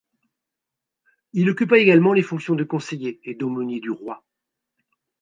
Il occupa également les fonctions de conseiller et d'aumônier du roi.